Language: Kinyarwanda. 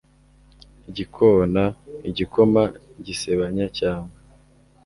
Igikona igikoma gisebanya cyangwa